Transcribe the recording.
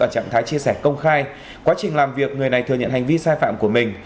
và trạng thái chia sẻ công khai quá trình làm việc người này thừa nhận hành vi sai phạm của mình